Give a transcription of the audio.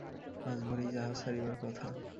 আজ ভোরেই জাহাজ ছাড়িবার কথা।